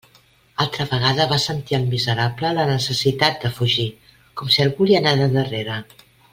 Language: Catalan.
Altra vegada va sentir el miserable la necessitat de fugir, com si algú li anara darrere.